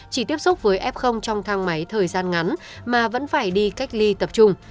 chỉ tiếp xúc với f trong thang máy thời gian ngắn mà vẫn phải đi cách ly tập trung